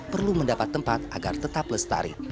perlu mendapat tempat agar tetap lestari